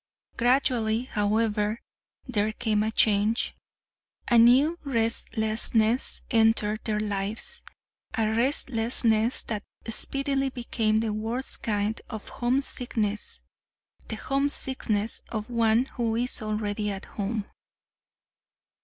Gradually, however, there came a change. A new restlessness entered their lives, a restlessness that speedily became the worst kind of homesickness the homesickness of one who is already at home.